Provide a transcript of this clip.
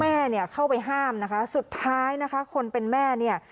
แม่เนี่ยเข้าไปห้ามนะคะสุดท้ายนะคะคนเป็นแม่เนี่ย